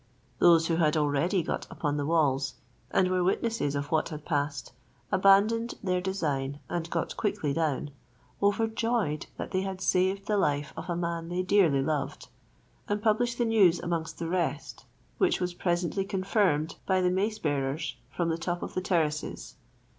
Those who had already got upon the walls, and were witnesses of what had passed, abandoned their design and got quickly down, overjoyed that they had saved the life of a man they dearly loved, and published the news amongst the rest, which was presently confirmed by the mace bearers from the top of the terraces.